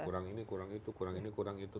kurang ini kurang itu kurang ini kurang itu